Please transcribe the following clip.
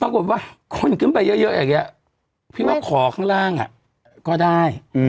ปรากฏว่าคนขึ้นไปเยอะอย่างนี้พี่ว่าขอข้างล่างก็ได้